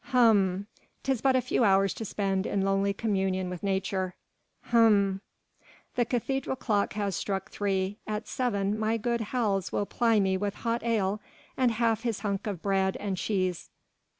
"Hm!" "'Tis but a few hours to spend in lonely communion with nature." "Hm!" "The cathedral clock has struck three, at seven my good Hals will ply me with hot ale and half his hunk of bread and cheese."